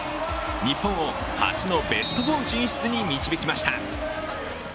日本を初のベスト４進出に導きました。